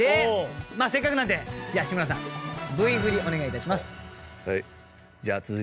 まあせっかくなんでじゃあ志村さんＶ振りお願い致します。